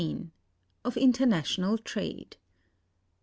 Of International Trade.